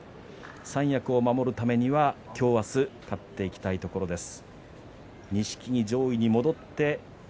三役を守るためには今日明日勝っていきたいところです。